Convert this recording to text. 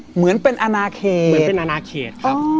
เหมือนเป็นอนาเคต